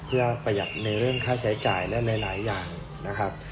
เพื่อประหยัดในเรื่องค่าใช้จ่ายและหลายอย่างนะครับ